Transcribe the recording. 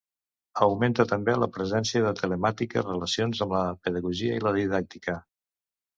Augmenta, també la presència de temàtiques relacionades amb la pedagogia i la didàctica.